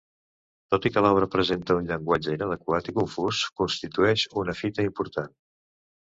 Tot i que l'obra presenta un llenguatge inadequat i confús, constitueix una fita important.